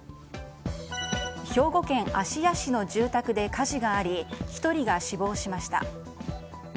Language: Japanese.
兵庫県芦屋市の住宅で火事があり１人が死亡しました。